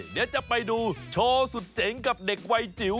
เดี๋ยวจะไปดูโชว์สุดเจ๋งกับเด็กวัยจิ๋ว